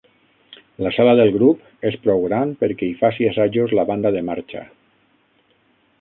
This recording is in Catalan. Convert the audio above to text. La sala del grup és prou gran perquè hi faci assajos la banda de marxa.